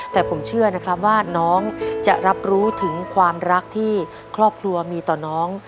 แต่ผมเชื่อนะครับว่าน้องจะรับรู้ถึงความรักที่ครอบครัวมีต่อน้อง